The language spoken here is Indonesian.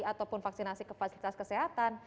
ataupun vaksinasi ke fasilitas kesehatan